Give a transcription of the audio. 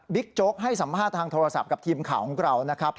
โจ๊กให้สัมภาษณ์ทางโทรศัพท์กับทีมข่าวของเรานะครับ